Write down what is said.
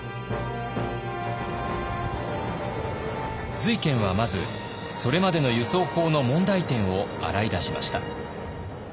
瑞賢はまずそれまでの輸送法の問題点を洗い出しました。